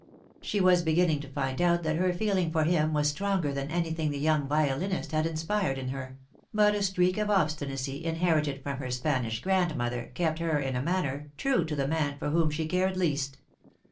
She was beginning to find out that her feeling for him was stronger than anything the young violinist had inspired in her; but a streak of obstinacy, inherited from her Spanish grandmother, kept her, in a manner, true to the man for whom she cared least.